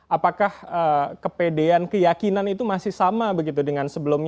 apakah kepedean keyakinan itu masih sama begitu dengan sebelumnya